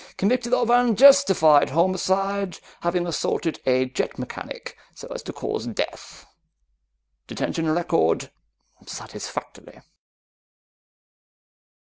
Convicted of unjustified homicide, having assaulted a jet mechanic so as to cause death. Detention record satisfactory."